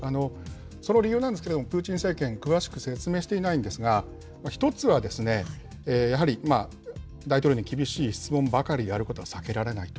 その理由なんですけども、プーチン政権、詳しく説明していないんですが、１つは、やはり大統領に厳しい質問ばかりであることは避けられないと。